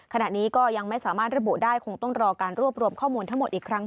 ขณะนี้ก็ยังไม่สามารถระบุได้คงต้องรอการรวบรวมข้อมูลทั้งหมดอีกครั้ง